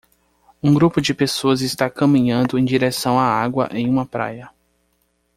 Um grupo de pessoas está caminhando em direção à água em uma praia